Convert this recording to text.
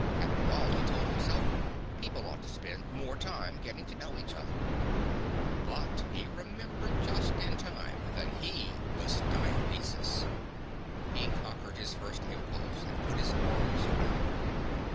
After all, he told himself, people ought to spend more time getting to know each other. But he remembered, just in time, that he was Dionysus. He conquered his first impulse and put his arms around her.